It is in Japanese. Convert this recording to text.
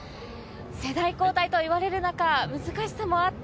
世代交代と言われる中、難しさもあった